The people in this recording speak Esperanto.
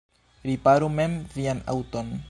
Riparu mem vian aŭton.